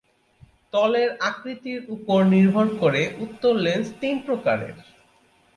তলের আকৃতির ওপর নির্ভর করে উত্তল লেন্স তিন প্রকারের।